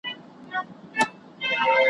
خلکو خبرسی له اعلانونو ,